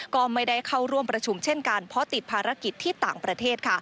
ก็ไม่ได้เข้าร่วมประชุมเช่นกันเพราะติดภารกิจที่ต่างประเทศ